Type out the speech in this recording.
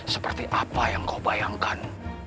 seperti apa yang kau bayangkan